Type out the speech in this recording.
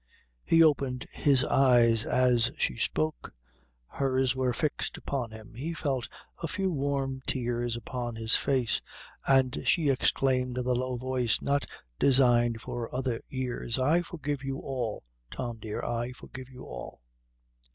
He opened his eyes as she spoke; hers were fixed upon him. He felt a few warm tears upon his face, and she exclaimed in a low voice, not designed for other ears "I forgive you all, Tom, dear I forgive you all!"